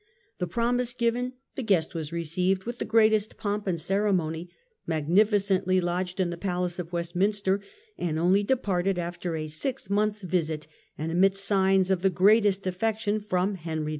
The promise given, the guest was received with the greatest pomp and cere mony, magnificently lodged in the Palace of Westminster and only departed after a six months' visit and amidst signs of the greatest affection from Henry V.